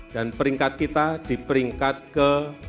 dan peringkat kita di peringkat ke